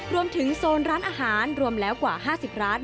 โซนร้านอาหารรวมแล้วกว่า๕๐ร้าน